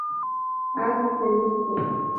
At The Disco